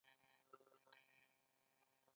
د ملاریا غوماشي د ناروغیو لامل ګرځي.